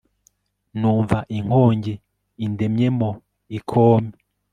numva inkongi indemyemo ikome